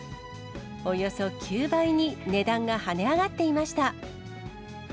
およそ９倍に値段が跳ね上がっていました。